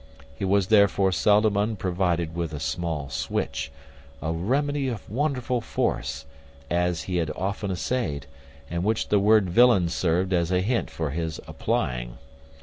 He was therefore seldom unprovided with a small switch, a remedy of wonderful force, as he had often essayed, and which the word villain served as a hint for his applying.